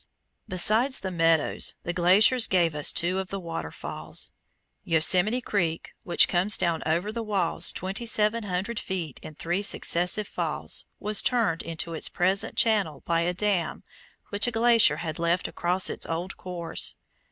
Besides the meadows, the glaciers gave us two of the waterfalls. Yosemite Creek, which comes down over the walls twenty seven hundred feet in three successive falls, was turned into its present channel by a dam which a glacier had left across its old course.